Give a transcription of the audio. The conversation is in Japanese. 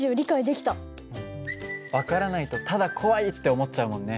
分からないとただ怖いって思っちゃうもんね。